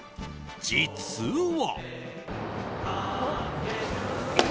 実は。